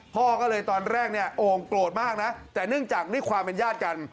พ่อก็เลยตอนแรกโอ้งโกรธมากแต่เนื่องจากนี่ความเป็นญาติจันทร์